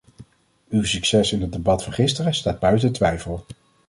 Uw succes in het debat van gisteren staat buiten twijfel.